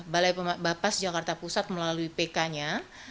balai bapas jakarta pusat melalui pk nya